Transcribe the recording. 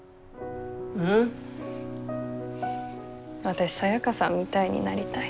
私サヤカさんみたいになりたい。